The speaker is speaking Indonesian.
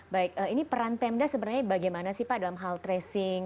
baik ini peran pemda sebenarnya bagaimana sih pak dalam hal tracing